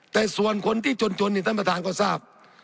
แต่ส่วนคนที่จนนี่ท่านประธานก็ทราบ